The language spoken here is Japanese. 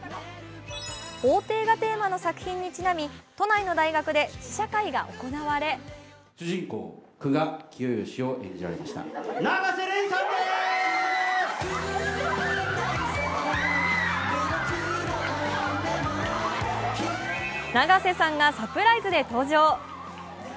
法廷がテーマの作品にちなみ都内の大学で試写会が行われ永瀬さんがサプライズで登場。